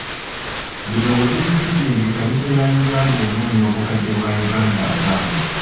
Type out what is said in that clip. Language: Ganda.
Bino we bijjidde ng’ekkanisa ya Uganda enoonya obukadde bwa Uganda ataano.